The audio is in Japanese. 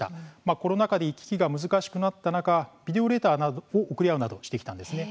コロナ禍で行き来が難しくなった中ビデオレターを送り合うなどしてきました。